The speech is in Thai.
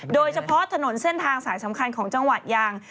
โดยเฉพาะถนนเส้นทางสายสำคัญของจังหวัดยาง